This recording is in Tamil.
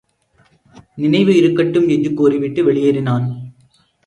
நினைவு இருக்கட்டும். என்று கூறிவிட்டு வெளியேறினான்.